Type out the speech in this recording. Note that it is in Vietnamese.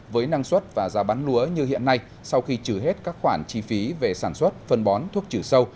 với năng suất và giá bán lúa như hiện nay sau khi trừ hết các khoản chi phí về sản xuất phân bón thuốc trừ sâu